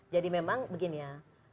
jadi memang begini ya